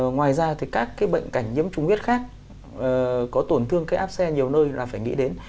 ngoài ra thì các cái bệnh cảnh nhiễm trùng huyết khác có tổn thương cái áp xe nhiều nơi là phải nghĩ đến